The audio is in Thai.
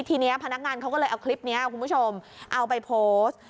ทีนี้พนักงานเขาก็เลยเอาคลิปนี้คุณผู้ชมเอาไปโพสต์